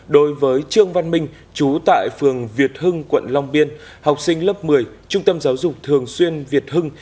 đối với trương văn minh chú tại phường việt hưng quận long biên học sinh lớp một mươi trung tâm giáo dục thường xuyên việt hưng